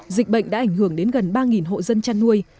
dịch bệnh đã ảnh hưởng đến gần ba hộ dân chăn nuôi